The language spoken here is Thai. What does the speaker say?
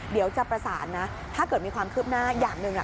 เดี๋ยวจะประสานนะถ้าเกิดมีความคืบหน้าอย่างหนึ่ง